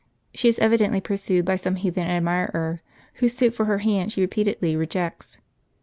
She is evidently pursued by some heathen admirer, whose suit for her hand she repeatedly rejects.